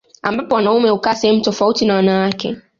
Ambapo wanaume hukaa sehemu tofauti na wanawake